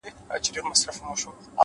روښانه ذهن روښانه انتخاب کوي؛